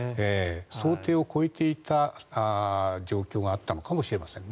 想定を超えていた状況があったのかもしれませんね。